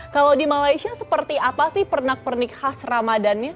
kalau di malaysia seperti apa sih pernak pernik khas ramadannya